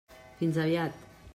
Fins aviat.